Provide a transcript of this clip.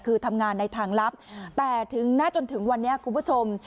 คือทำงานในทางลับแต่ถึงหน้าจนถึงวันนี้คุณผู้ชม